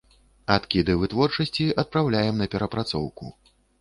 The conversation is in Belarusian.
Адкіды вытворчасці адпраўляем на перапрацоўку.